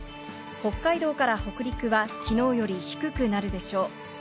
北海道から北陸は昨日より低くなるでしょう。